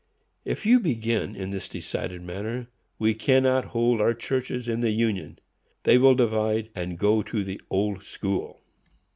If you begin in this decided manner, we cannot hold our churches in the union; they will divide, and go to the Old School."